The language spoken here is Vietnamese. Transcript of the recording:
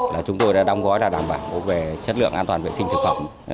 là chúng tôi đã đong gói là đảm bảo về chất lượng an toàn vệ sinh thực phẩm